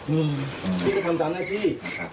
นี่ก็ทำจากหน้าที่